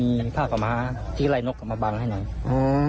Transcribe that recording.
มีภาพธรรมฮะที่ไล่นกออกมาบังให้หน่อย